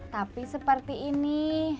tapi seperti ini